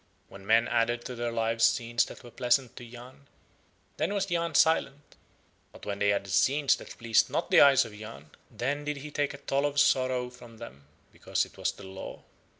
When men added to their Lives scenes that were pleasant to Yahn, then was Yahn silent, but when they added scenes that pleased not the eyes of Yahn, then did he take a toll of sorrow from them because it was the Law.